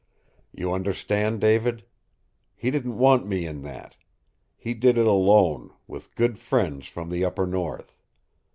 "You understand, David? He didn't want me in that. He did it alone, with good friends from the upper north.